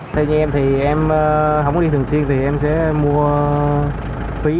theo như em thì em không có đi thường xuyên thì em sẽ mua phí dừng